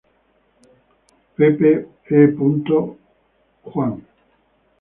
Joseph E. Johnston.